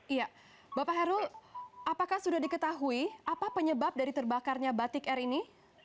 iya bapak herul apakah sudah diketahui apa penyebab dari terbakarnya batik air ini